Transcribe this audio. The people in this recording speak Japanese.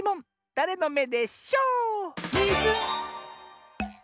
だれのめでショー⁉ミズン！